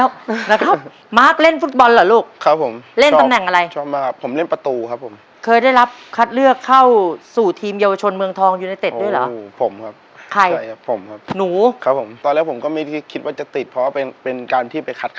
วางของใครของมันนะครับเออเออเออมัดเบิดใช้ได้เลยนะเนี้ย